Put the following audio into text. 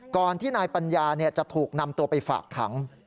ก่อนที่นายปัญญาจะถูกนำตัวไปฝากขัง